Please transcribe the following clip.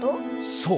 そう。